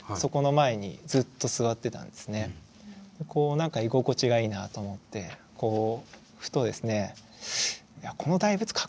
何か居心地がいいなと思ってこうふとですね